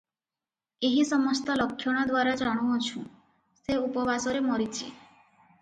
ଏହି ସମସ୍ତ ଲକ୍ଷଣ ଦ୍ୱାରା ଜାଣୁଅଛୁଁ, ସେ ଉପବାସରେ ମରିଚି ।